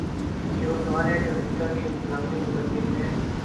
یہ وہ سوال ہے جو امریکہ کی انتظامیہ کو درپیش ہے۔